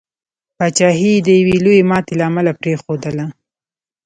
پاچهي یې د یوي لويي ماتي له امله پرېښودله.